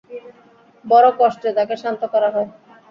বড় কষ্টে তাঁকে শান্ত করা হয়।